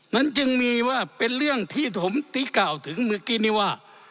นั้นจึงมีว่าเป็นเรื่องที่ผมที่กล่าวถึงเมื่อกี้นี้ว่า